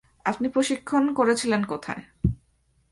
আপনি প্রশিক্ষণ করেছিলেন কোথায়?